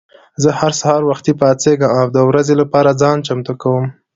زه هر سهار وختي پاڅېږم او د ورځې لپاره ځان چمتو کوم.